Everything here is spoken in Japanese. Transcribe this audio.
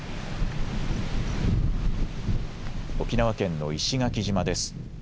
沖縄県の石垣島です。